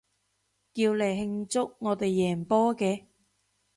叫嚟慶祝我哋贏波嘅